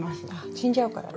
死んじゃうからね。